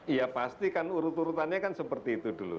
iya pasti kan urut urutannya kan seperti itu dulu